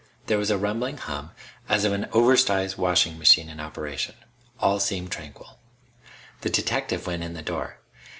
There was a rumbling hum, as of an oversized washing machine in operation. All seemed tranquil. The detective went in the door.